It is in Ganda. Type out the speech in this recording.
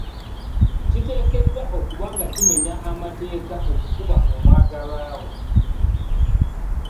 Kiteekeddwa okuba nga kimenya mateeka okukuba omwagalwa wo.